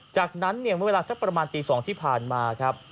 จากนั้นเนี่ยเมื่อเวลาสักประมาณตี๒ที่ผ่านมาครับ